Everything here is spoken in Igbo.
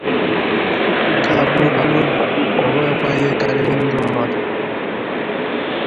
ka ha buru n'obi na o nweghịkwa ihe karịrị ndụ mmadụ